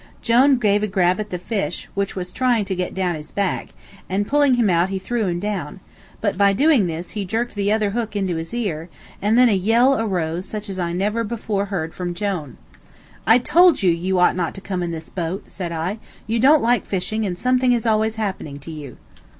Jone gave a grab at the fish, which was trying to get down his back, and pulling him out threw him down; but by doing this he jerked the other hook into his ear, and then a yell arose such as I never before heard from Jone. "I told you you ought not to come in this boat," said I; "you don't like fishing, and something is always happening to you."